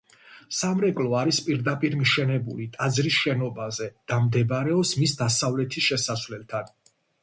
სამრეკლო არის პირდაპირ მიშენებული ტაძრის შენობაზე და მდებარეობს მის დასავლეთის შესასვლელთან.